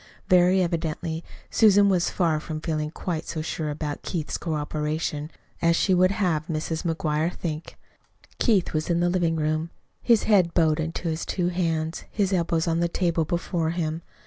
Very evidently Susan was far from feeling quite so sure about Keith's cooperation as she would have Mrs. McGuire think. Keith was in the living room, his head bowed in his two hands, his elbows on the table before him.